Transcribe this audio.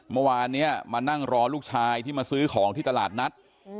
เมื่อวานนี้มานั่งรอลูกชายที่มาซื้อของที่ตลาดนัด